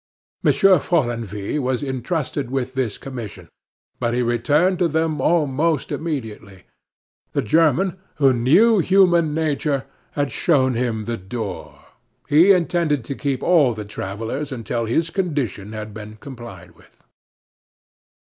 Monsieur Follenvie was intrusted with this commission, but he returned to them almost immediately. The German, who knew human nature, had shown him the door. He intended to keep all the travellers until his condition had been complied with.